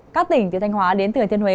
các tỉnh từ thanh hóa đến thừa thiên huế